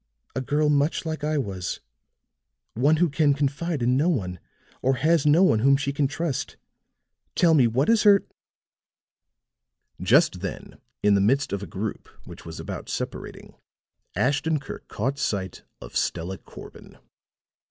"A girl much like I was one who can confide in no one, or has no one whom she can trust. Tell me, what is her " Just then, in the midst of a group which was about separating, Ashton Kirk caught sight of Stella Corbin.